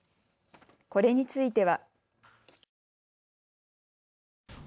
これについては。